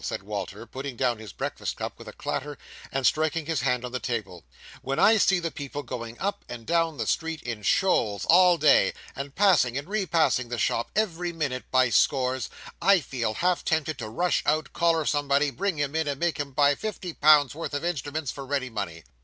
said Walter, putting down his breakfast cup with a clatter, and striking his hand on the table: "when I see the people going up and down the street in shoals all day, and passing and re passing the shop every minute, by scores, I feel half tempted to rush out, collar somebody, bring him in, and make him buy fifty pounds' worth of instruments for ready money.